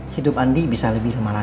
hidup andi bisa lebih lemah lagi